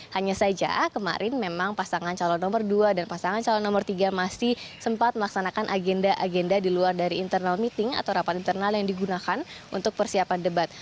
hanya saja kemarin memang pasangan calon nomor dua dan pasangan calon nomor tiga masih sempat melaksanakan agenda agenda di luar dari internal meeting atau rapat internal yang digunakan untuk persiapan debat